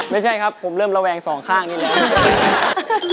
ไม่ใช่ครับผมเริ่มระแวงสองข้างนี่แหละ